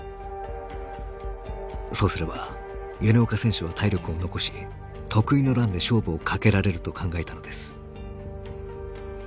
そうすれば米岡選手は体力を残し得意のランで勝負をかけられると考えたのです。